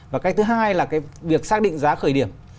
và cái thứ hai là cái việc xác định giá khởi điểm